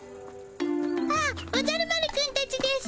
あっおじゃる丸くんたちです。